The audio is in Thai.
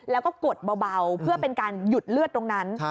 แล้วก็กดเบาเพื่อเป็นการหยุดเลือดตรงนั้น